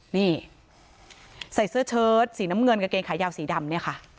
นี่ใส่เสื้อเชิดสีน้ำเงินกางเกงขายาวสีดำเนี่ยค่ะ